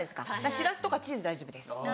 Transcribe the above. シラスとかチーズで大丈夫です。